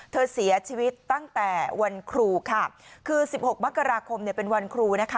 เธอเสียชีวิตตั้งแต่วันครูค่ะคือสิบหกมกราคมเนี่ยเป็นวันครูนะคะ